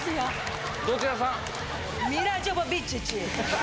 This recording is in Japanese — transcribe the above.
どちらさん？